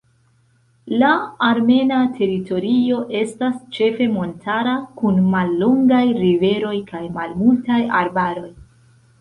La armena teritorio estas ĉefe montara, kun mallongaj riveroj kaj malmultaj arbaroj.